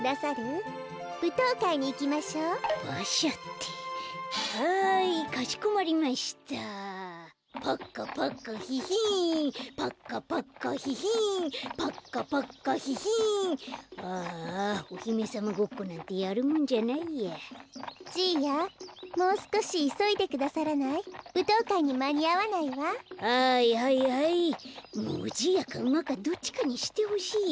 もうじいやかうまかどっちかにしてほしいよ。